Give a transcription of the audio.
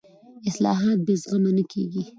اصلاحات بې زغمه نه کېږي